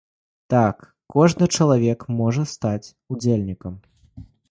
Так, кожны чалавек можа стаць удзельнікам!